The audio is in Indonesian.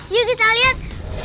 yuk kita lihat